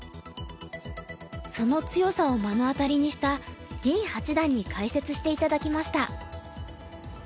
その強さを目の当たりにした林八段に解説して頂きました。